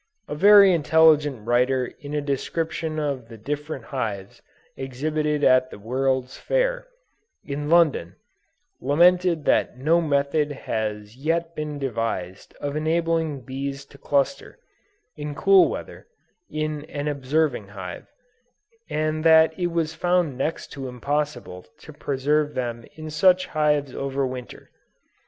A very intelligent writer in a description of the different hives exhibited at the World's Fair, in London, lamented that no method had yet been devised of enabling bees to cluster, in cool weather, in an observing hive, and that it was found next to impossible to preserve them in such hives over Winter.